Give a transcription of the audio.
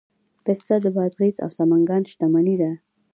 پسته د بادغیس او سمنګان شتمني ده.